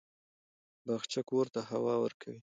باغچه کور ته هوا ورکوي.